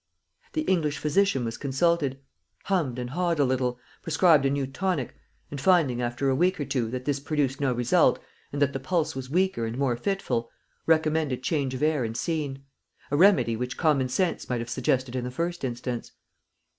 The English physician was consulted; hummed and ha'd a little, prescribed a new tonic; and finding, after a week or two, that this produced no result, and that the pulse was weaker and more fitful, recommended change of air and scene, a remedy which common sense might have suggested in the first instance.